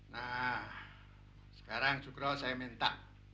nah sekarang jukro saya minta